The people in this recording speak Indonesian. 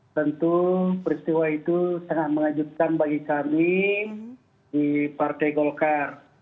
tentu peristiwa itu sangat mengejutkan bagi kami di partai golkar